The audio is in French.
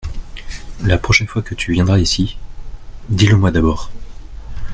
La prochaine fois que tu viendras ici, dis-le-moi d’abord.